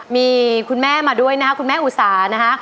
มีคุณแม่มาด้วยนะครับคุณแม่อุสานะฮะ